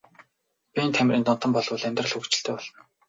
Биеийн тамирын донтон бол бол амьдрал хөгжилтэй болно.